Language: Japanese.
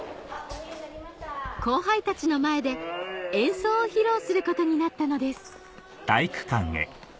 後輩たちの前で演奏を披露することになったのです